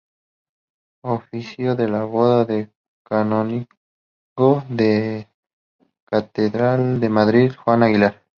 Ofició la boda el canónigo de la catedral de Madrid, Juan Aguilar.